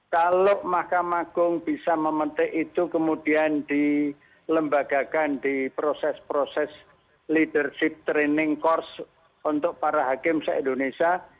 kalau mahkamah agung bisa memetik itu kemudian dilembagakan di proses proses leadership training course untuk para hakim se indonesia